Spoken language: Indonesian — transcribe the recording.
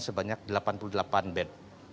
sebanyak delapan puluh delapan bed